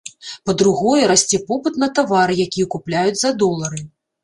Па-другое, расце попыт на тавары, якія купляюць за долары.